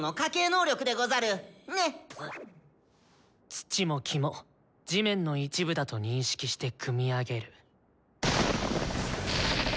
土も木も地面の一部だと認識して組み上げる。